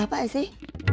itu apa sih